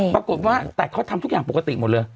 ปรากฏว่าแต่เขาทำทุกอย่างปกติหมดเลย